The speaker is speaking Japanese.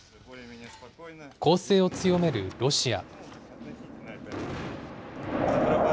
攻勢を強めるロシア。